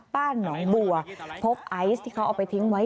บ้านหนองบัวพบไอซ์ที่เขาเอาไปทิ้งไว้